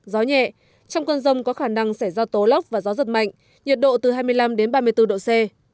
gió nhẹ trong con rông có khả năng sẽ do tố lóc và gió giật mạnh nhiệt độ từ hai mươi năm đến ba mươi bốn độ c